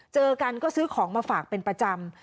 เจอกันก็ซื้อของมาฝากเป็นประจำ